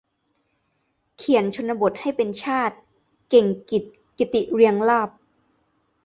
เขียนชนบทให้เป็นชาติ - เก่งกิจ กิติเรียงลาภ